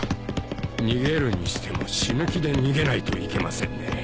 逃げるにしても死ぬ気で逃げないといけませんね。